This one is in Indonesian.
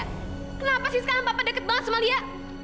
kenapa sih sekarang papa deket banget sama lia